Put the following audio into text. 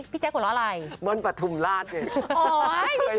แจ๊คหัวเราะอะไรเบิ้ลปฐุมราชนี่